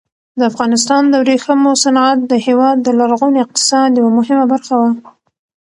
د افغانستان د ورېښمو صنعت د هېواد د لرغوني اقتصاد یوه مهمه برخه وه.